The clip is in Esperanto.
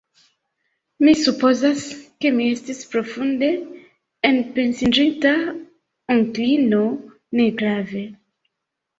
Mi supozas, ke mi estis profunde enpensiĝinta, onklino; negrave.